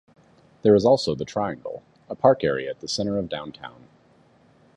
There is also "The Triangle" a park area at the center of downtown.